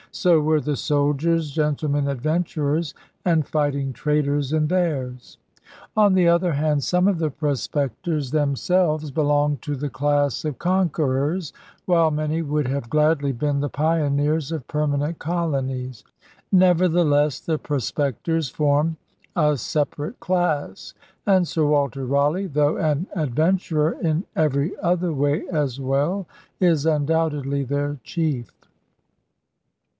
So were the soldiers, gentle men adventurers, and fighting traders in theirs. On the other hand, some of the prospectors them 205 206 ELIZABETHAN SEA DOGS selves belong to tlie class of conquerors, while many would have gladly been the pioneers of permanent colonies. Nevertheless the prospect ors form a separate class; and Sir Walter Raleigh, though an adventurer in every other way as well, is undoubtedly their chief.